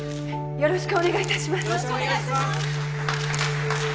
よろしくお願いします！